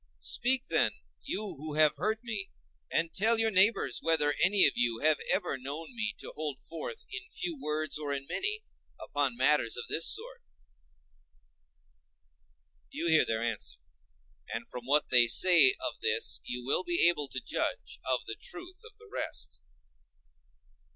Speak then, you who have heard me, and tell your neighbors whether any of you have ever known me hold forth in few words or in many upon matters of this sort.… You hear their answer. And from what they say of this you will be able to judge of the truth of the rest.